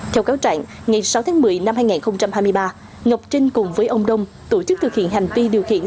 theo cáo trạng ngày sáu tháng một mươi năm hai nghìn hai mươi ba ngọc trinh cùng với ông đông tổ chức thực hiện hành vi điều khiển